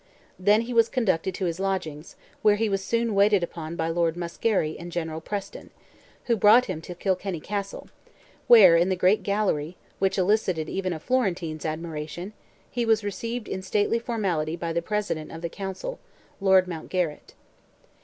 Then he was conducted to his lodgings, where he was soon waited upon by Lord Muskerry and General Preston, who brought him to Kilkenny Castle, where, in the great gallery, which elicited even a Florentine's admiration, he was received in stately formality by the President of the Council—Lord Mountgarrett.